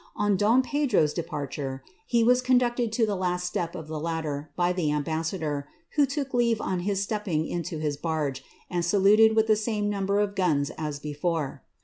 On don Pedro's rture, he was conducted to the last step of the ladder by the ambas r, who took leave on his stepping into his bark, and saluted with ame number of guns as before.